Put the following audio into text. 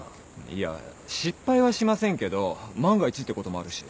いや失敗はしませんけど万が一ってこともあるし。